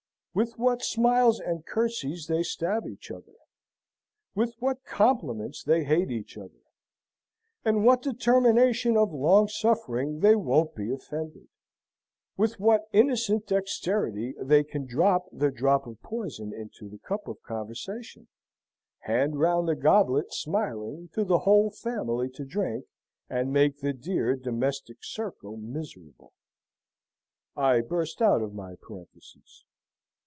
With what smiles and curtseys they stab each other! with what compliments they hate each other! with what determination of long suffering they won't be offended! with what innocent dexterity they can drop the drop of poison into the cup of conversation, hand round the goblet, smiling, to the whole family to drink, and make the dear, domestic circle miserable!) I burst out of my parenthesis.